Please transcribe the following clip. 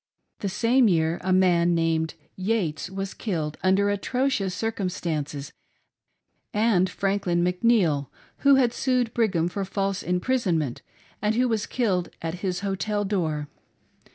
The same year a man named Yates was killed under atrocious circumstances ; and Franklin McNeil who had sued Brigham for false impris , onment and who was killed at his hotel door.